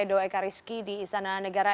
baik karisky di istana negara